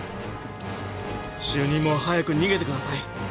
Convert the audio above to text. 主任も早く逃げてください。